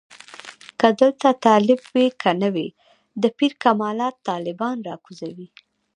که دلته طالب وي که نه وي د پیر کمالات طالبان راکوزوي.